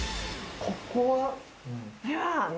ここは？